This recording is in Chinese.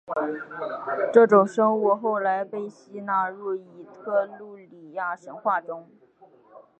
这种生物后来被吸纳入伊特鲁里亚神话中。